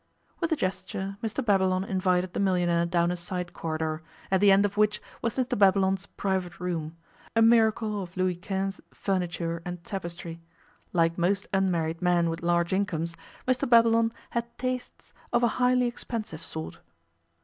With a gesture Mr Babylon invited the millionaire down a side corridor, at the end of which was Mr Babylon's private room, a miracle of Louis XV furniture and tapestry: like most unmarried men with large incomes, Mr Babylon had 'tastes' of a highly expensive sort.